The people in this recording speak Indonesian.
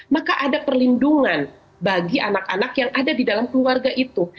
maka ada perlindungan bagi anak anak yang ada di dalam keluarga itu